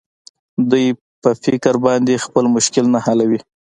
دوى په فکر باندې خپل مشکل نه حلوي.